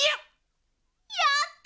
やった！